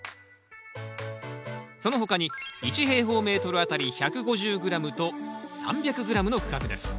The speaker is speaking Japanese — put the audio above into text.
その他に１あたり１５０ｇと３００ｇの区画です。